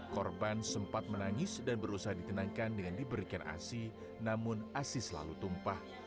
korban sempat menangis dan berusaha ditenangkan dengan diberikan asi namun asi selalu tumpah